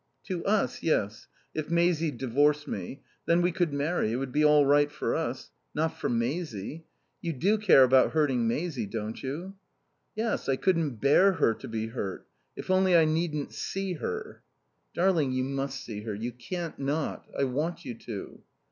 "To us, yes. If Maisie divorced me. Then we could marry. It would be all right for us. Not for Maisie. You do care about hurting Maisie, don't you?" "Yes. I couldn't bear her to be hurt. If only I needn't see her." "Darling, you must see her. You can't not. I want you to."